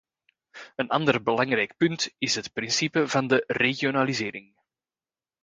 Een ander belangrijk punt is het principe van de regionalisering.